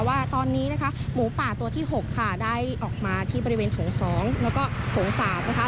ว่าตอนนี้นะคะหมูป่าตัวที่๖ค่ะได้ออกมาที่บริเวณโถง๒แล้วก็โถง๓นะคะ